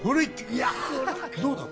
いやどうだ？